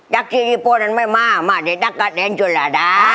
ตั๊กที่ที่โปรดอันไม่มามาเจ๊ตั๊กกับเจ๊นชูระด้า